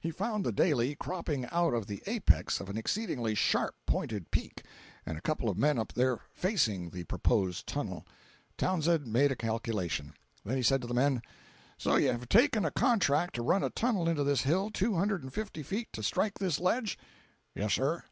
He found the Daley cropping out of the apex of an exceedingly sharp pointed peak, and a couple of men up there "facing" the proposed tunnel. Townsend made a calculation. Then he said to the men: "So you have taken a contract to run a tunnel into this hill two hundred and fifty feet to strike this ledge?" "Yes, sir."